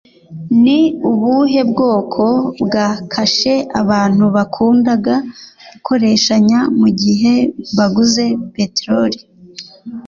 Ni ubuhe bwoko bwa kashe abantu bakundaga gukusanya mugihe baguze peteroli